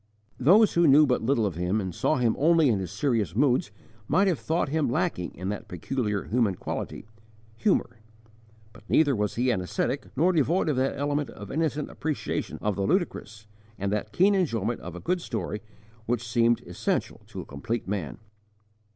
Those who knew but little of him and saw him only in his serious moods might have thought him lacking in that peculiarly human quality, humour. But neither was he an ascetic nor devoid of that element of innocent appreciation of the ludicrous and that keen enjoyment of a good story which seem essential to a complete man.